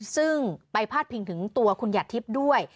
ซึ่งไปพาดพิงถึงตัวคุณหัดทิพย์ด้วย